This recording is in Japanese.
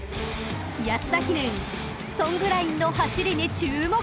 ［安田記念ソングラインの走りに注目！］